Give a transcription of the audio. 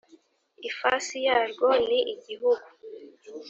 ifasi yarwo ni igihugu.